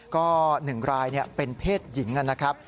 ก็๑รายเป็นเพศหญิงนะครับ